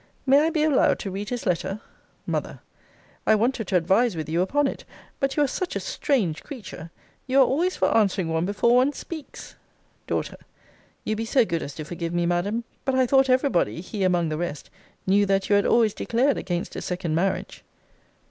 May I be allowed to read his letter? M. I wanted to advise with you upon it. But you are such a strange creature! you are always for answering one before one speaks! D. You'll be so good as to forgive me, Madam. But I thought every body (he among the rest) knew that you had always declared against a second marriage.